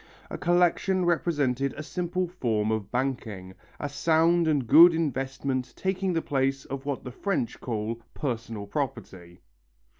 A collection represented a simple form of banking, a sound and good investment taking the place of what the French call "personal property."